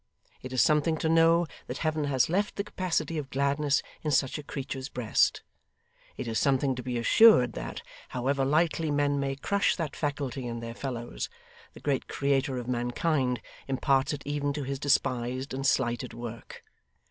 It is something to know that Heaven has left the capacity of gladness in such a creature's breast; it is something to be assured that, however lightly men may crush that faculty in their fellows, the Great Creator of mankind imparts it even to his despised and slighted work.